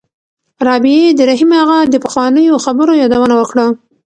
رابعې د رحیم اغا د پخوانیو خبرو یادونه وکړه.